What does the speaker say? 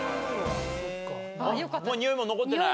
もうにおいも残ってない？